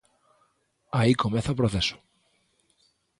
Aí comeza o proceso.